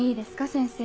先生。